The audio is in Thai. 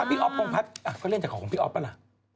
พี่อ๊อฟโครงพลัดเขาเล่นจากของพี่อ๋อฟเมื่อไร